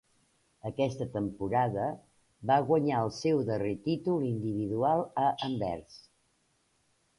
Aquesta temporada va guanyar el seu darrer títol individual a Anvers.